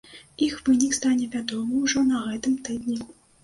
Іх вынік стане вядомы ўжо на гэтым тыдні.